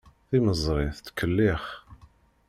Timeẓri tettkellix.